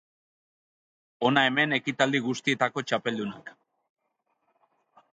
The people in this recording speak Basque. Hona hemen ekitaldi guztietako txapeldunak.